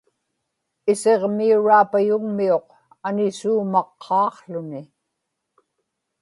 isiġmiuraapayugmiuq anisuumaqqaaqłuni